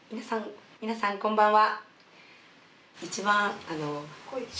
皆さん、こんばんは。